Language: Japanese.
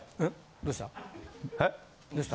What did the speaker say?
どうした？